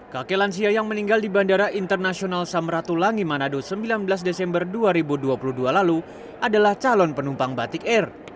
kakek lansia yang meninggal di bandara internasional samratulangi manado sembilan belas desember dua ribu dua puluh dua lalu adalah calon penumpang batik air